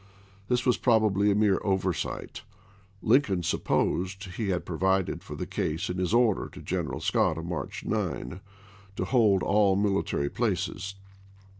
This was probably a mere oversight; Lincoln supposed he had provided for the case in his order to General Scott of March 9 to hold all military places.